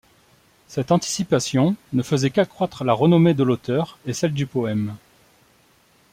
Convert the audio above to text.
Cette anticipation ne faisait qu'accroître la renommée de l'auteur et celle du poème.